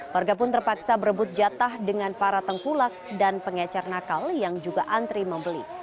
warga pun terpaksa berebut jatah dengan para tengkulak dan pengecer nakal yang juga antri membeli